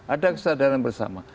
ada kesadaran bersama